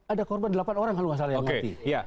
ada korban delapan orang kalau nggak salah yang mati